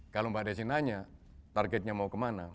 kalau mbak desi nanya targetnya mau kemana